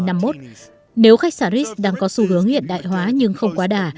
nếu khách sạn ritz đang có xu hướng hiện đại hóa nhưng không quá đả